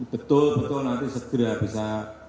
betul betul nanti segera bisa